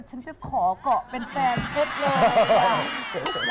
ฉันจะขอเกาะเป็นแฟนเพชรเลย